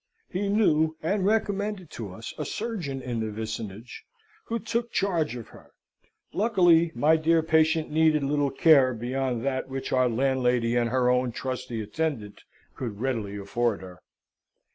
He knew and recommended to us a surgeon in the vicinage, who took charge of her; luckily, my dear patient needed little care, beyond that which our landlady and her own trusty attendant could readily afford her.